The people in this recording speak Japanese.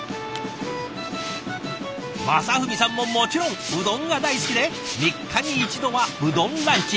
正文さんももちろんうどんが大好きで３日に一度はうどんランチ。